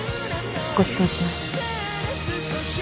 ごちそうします。